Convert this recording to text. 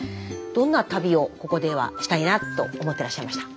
どんな旅をここではしたいなと思ってらっしゃいました？